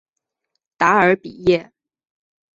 达尔比耶。